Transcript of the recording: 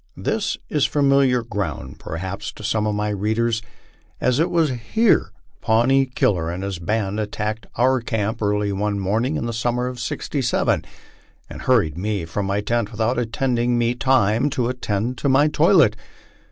This is familiar ground perhaps to some of my readers, as it was here Pawnee Killer and his band attacked our camp early one morning in the summer of '67, and hurried me from my tent without allowing me tirno to attend to my toilet.